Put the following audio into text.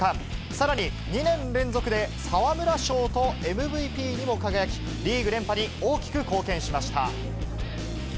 さらに２年連続で沢村賞とＭＶＰにも輝き、リーグ連覇に大きく貢献しました。